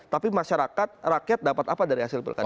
tapi masyarakat rakyat dapat apa dari hasil pilkada